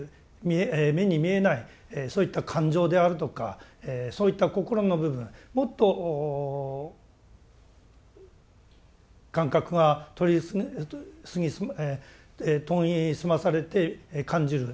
そういった感情であるとかそういった心の部分もっと感覚が研ぎ澄まされて感じる。